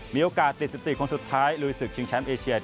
มีโอกาสติด๑๔คนสุดท้ายลุยศึกชิงแชมป์เอเชีย